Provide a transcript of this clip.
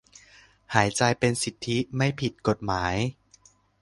หายใจเป็นสิทธิไม่ผิดกฎหมาย